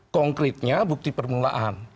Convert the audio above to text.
konkretnya bukti permulaan